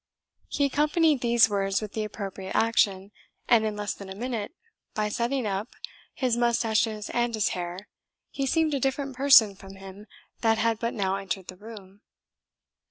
He accompanied these words with the appropriate action, and in less than a minute, by setting up, his moustaches and his hair, he seemed a different person from him that had but now entered the room.